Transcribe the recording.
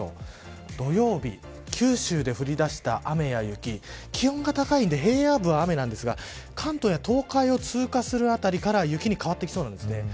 土曜日九州で降り出した雨や雪気温が高いんで平野部は雨なんですが関東や東海を通過するあたりから雪に変わってきそうなんですね。